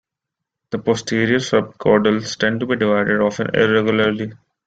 The posterior subcaudals tend to be divided, often irregularly.